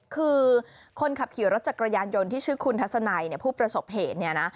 คือคนขับขี่รถจักรยานยนต์ที่ชื่อคุณทัศนัยผู้ประสบเหตุเนี่ยนะ